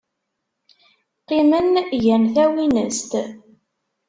Qqimen, gan tawinest.